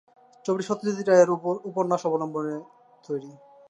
ছবিটি সত্যজিৎ রায়ের উপন্যাস অবলম্বনে তৈরি।